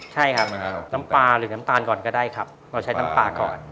ใช่ครับน้ำปลาหรือน้ำตาลก่อนก็ได้ครับเราใช้น้ำปลาก่อน